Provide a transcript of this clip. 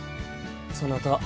そなた